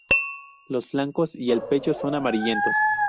Los flancos y el pecho son amarillentos.